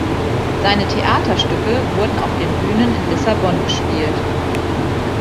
Seine Theaterstücke wurden auf den Bühnen in Lissabon gespielt.